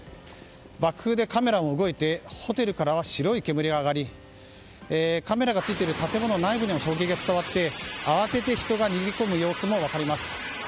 爆風でカメラが動いてホテルからは白い煙が上がりカメラがついている建物内部に衝撃が伝わって慌てて人が逃げ込む様子も分かります。